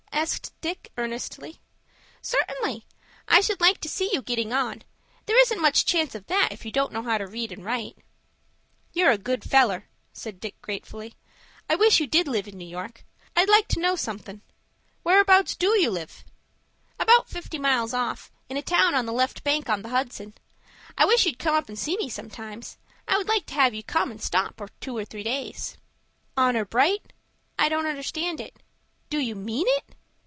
asked Dick, earnestly. "Certainly; I should like to see you getting on. There isn't much chance of that if you don't know how to read and write." "You're a good feller," said Dick, gratefully. "I wish you did live in New York. I'd like to know somethin'. Whereabouts do you live?" "About fifty miles off, in a town on the left bank of the Hudson. I wish you'd come up and see me sometime. I would like to have you come and stop two or three days." "Honor bright?" "I don't understand." "Do you mean it?"